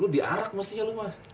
lu diarak mestinya lu mas